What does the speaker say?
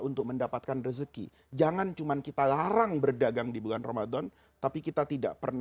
untuk mendapatkan rezeki jangan cuman kita larang berdagang di bulan ramadan tapi kita tidak pernah